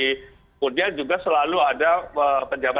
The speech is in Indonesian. kemudian juga selalu ada pejabat